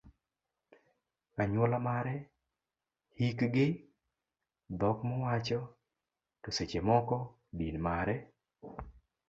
anyuola mare, hikgi, dhok mowacho, to seche moko din mare